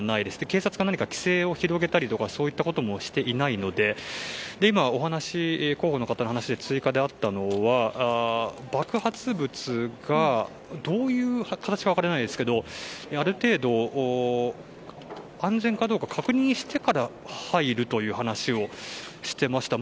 警察が何か規制を広げたりとかそういったこともしていないので今、広報の方のお話で追加であったのは爆発物がどういう形か分からないですけれどもある程度、安全かどうか確認してから入るという話をしていました。